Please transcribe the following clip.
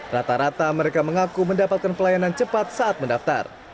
rata rata mereka mengaku mendapatkan pelayanan cepat saat mendaftar